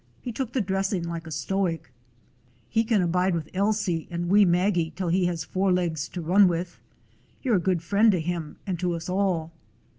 He took the dressing like a stoic." "He can bide with Ailsie and wee Maggie till he has four legs to run with. You 're a good friend to him and to us all."